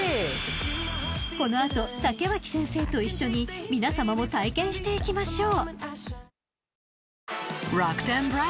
［この後竹脇先生と一緒に皆さまも体験していきましょう］